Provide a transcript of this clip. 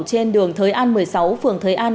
trên đường thới an một mươi sáu phường thới an